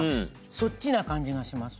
そっちな感じがします。